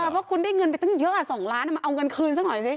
เพราะคุณได้เงินไปตั้งเยอะ๒ล้านมาเอาเงินคืนสักหน่อยสิ